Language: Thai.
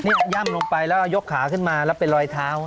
นี่ย่ำลงไปแล้วยกขาขึ้นมาแล้วเป็นรอยเท้า